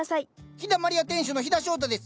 陽だまり屋店主の陽田翔太です。